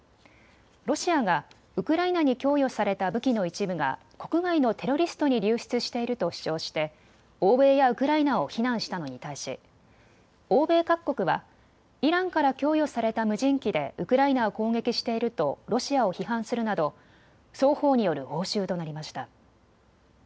ロシアがウクライナに供与された武器の一部が国外のテロリストに流出していると主張して欧米やウクライナを非難したのに対し欧米各国はイランから供与された無人機でウクライナを攻撃しているとロシアを批判するなど、双方による応酬となりました。